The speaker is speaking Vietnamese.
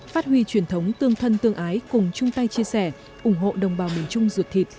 phát huy truyền thống tương thân tương ái cùng chung tay chia sẻ ủng hộ đồng bào miền trung ruột thịt